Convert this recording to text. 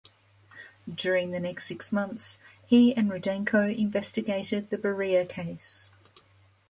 During the next six months, he and Rudenko investigated the "Beria Case".